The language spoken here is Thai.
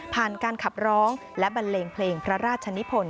การขับร้องและบันเลงเพลงพระราชนิพล